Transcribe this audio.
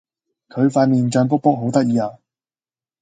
佢塊面脹畐畐好得意呀